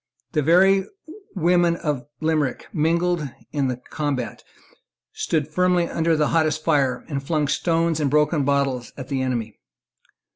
The very women of Limerick mingled, in the combat, stood firmly under the hottest fire, and flung stones and broken bottles at the enemy.